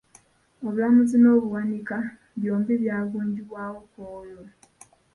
Obulamuzi n'Obuwanika byombi byagunjibwawo ku olwo.